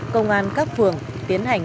công an các phường tiến hành